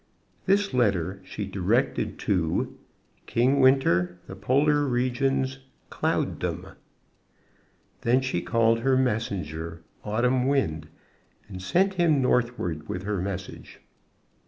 This letter she directed to King Winter, The Polar Regions, Cloud dom. Then she called her messenger, Autumn Wind, and sent him northward with her message.